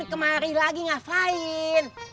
kemari lagi ngapain